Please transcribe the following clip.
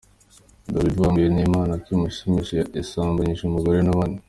Dawidi wabwiwe n’Imana ko imwishimira yasambanyije umugore w’abandi.